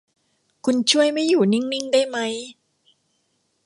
คุณช่วยไม่อยู่นิ่ง ๆ ได้มั้ย